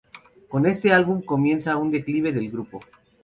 Con este álbum comienza un declive del grupo.